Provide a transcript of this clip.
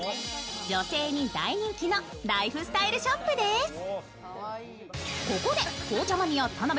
女性に大人気のライフスタイルショップです。